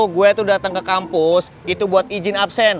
gue itu dateng ke kampus itu buat izin absen